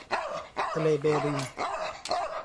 ทะเลเบริง